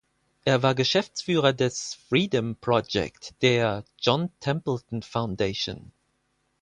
Er war Geschäftsführer des "Freedom Project" der "John Templeton Foundation".